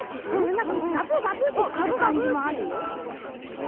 なんかガブガブってしてるかんじもあるよ。